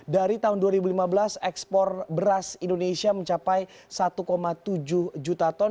dari tahun dua ribu lima belas ekspor beras indonesia mencapai satu tujuh juta ton